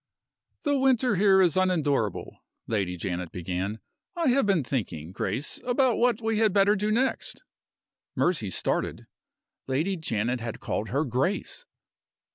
"The winter here is unendurable," Lady Janet began. "I have been thinking, Grace, about what we had better do next." Mercy started. Lady Janet had called her "Grace."